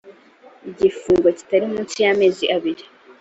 igifungo kitari munsi y amezi abiri